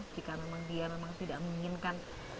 jika memang dia memang tidak menginginkan